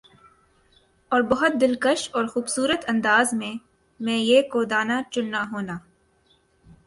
اور بَہُت دلکش اورخوبصورت انداز میں مَیں یِہ کو دانہ چننا ہونا